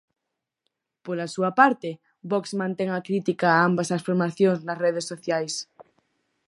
Pola súa parte, Vox mantén a crítica a ambas as formacións nas redes sociais.